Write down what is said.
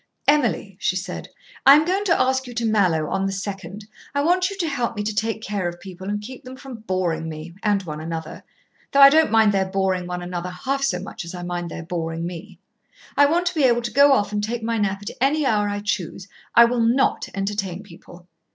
"Emily," she said, "I am going to ask you to Mallowe on the 2d. I want you to help me to take care of people and keep them from boring me and one another, though I don't mind their boring one another half so much as I mind their boring me. I want to be able to go off and take my nap at any hour I choose. I will not entertain people.